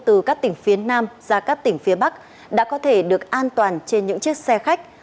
từ các tỉnh phía nam ra các tỉnh phía bắc đã có thể được an toàn trên những chiếc xe khách